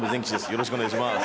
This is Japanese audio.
よろしくお願いします。